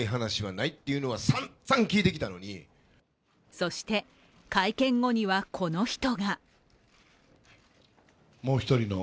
そして、会見後にはこの人が。